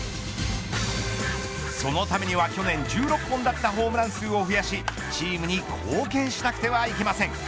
そのためには去年１６本だったホームラン数を増やしチームに貢献しなくてはいけません。